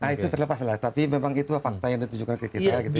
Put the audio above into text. nah itu terlepas lah tapi memang itu fakta yang ditunjukkan ke kita gitu ya